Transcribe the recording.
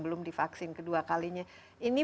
belum divaksin kedua kalinya ini